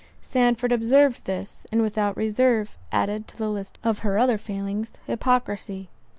Sandford observed this, and without reserve, added to the list of her other failings, hypocrisy.